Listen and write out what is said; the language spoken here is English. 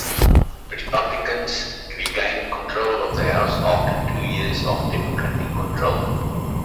Republicans regained control of the House after two years of Democratic control.